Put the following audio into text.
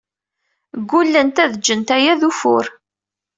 Ggullent ad ǧǧent aya d ufur.